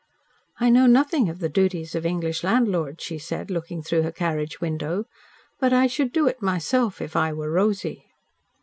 "I know nothing of the duties of English landlords," she said, looking through her carriage window, "but I should do it myself, if I were Rosy."